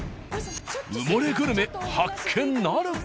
埋もれグルメ発見なるか？